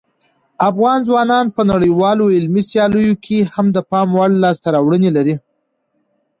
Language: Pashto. افغان ځوانان په نړیوالو علمي سیالیو کې هم د پام وړ لاسته راوړنې لري.